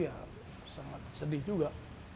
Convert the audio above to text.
sangat sedih juga